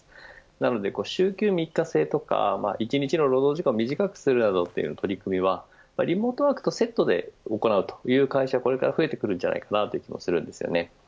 なので、週休３日制とか一日の労働時間を短くするなどの取り組みはリモートワークとセットで行うという会社がこれから増えてくると思います。